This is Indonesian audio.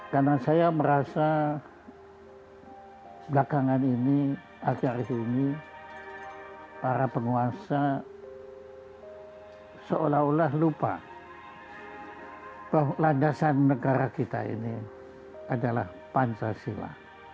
karena saya merasa belakangan ini akhirnya ini para penguasa seolah olah lupa bahwa landasan negara kita ini adalah pansa sila